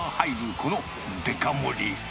このデカ盛り。